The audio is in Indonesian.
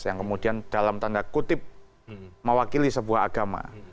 yang kemudian dalam tanda kutip mewakili sebuah agama